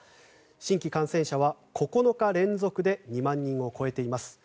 新規感染者は９日連続で２万人を超えています。